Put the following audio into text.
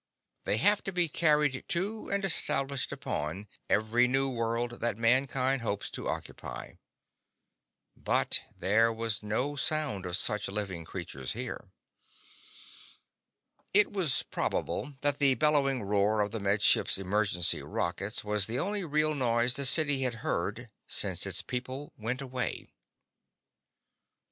They have to be carried to and established upon every new world that mankind hopes to occupy. But there was no sound of such living creatures here. It was probable that the bellowing roar of the Med Ship's emergency rockets was the only real noise the city had heard since its people went away.